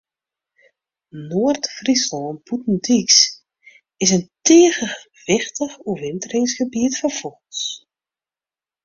Noard-Fryslân Bûtendyks is in tige wichtich oerwinteringsgebiet foar fûgels.